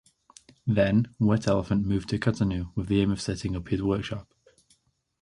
Then Wet Elephant moved to Cotonou with the aim of setting up his workshop.